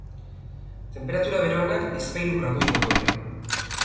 Tenperatura beroenak bizpahiru gradu igoko dira.